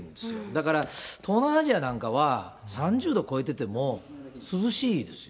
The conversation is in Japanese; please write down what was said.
だから、東南アジアなんかは、３０度超えてても涼しいですよ。